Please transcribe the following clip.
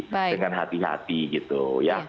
dengan hati hati gitu ya